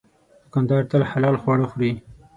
دوکاندار تل حلال خواړه خوري.